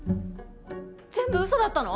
全部嘘だったの？